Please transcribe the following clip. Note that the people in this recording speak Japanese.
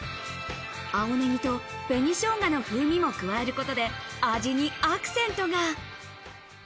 青ネギと紅ショウガの風味も加えることで、味にアクセントが。